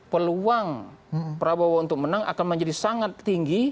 peluang prabowo untuk menang akan menjadi sangat tinggi